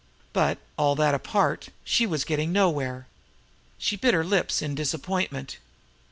But, all that apart, she was getting nowhere. She bit her lips in disappointment.